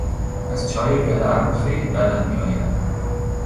از چای ولرم خیلی بدم میآید.